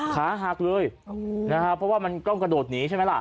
ขาหักเลยนะครับเพราะว่ามันกล้องกระโดดหนีใช่ไหมล่ะ